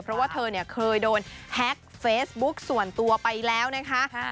เพราะว่าเธอเนี่ยเคยโดนแฮ็กเฟซบุ๊กส่วนตัวไปแล้วนะคะ